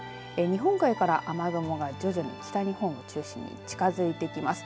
日本海から雨雲が徐々に北日本を中心に近づいてきます。